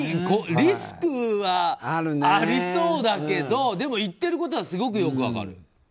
リスクはありそうだけどでも、言ってることはすごくよく分かる。